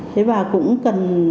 thế và cũng cần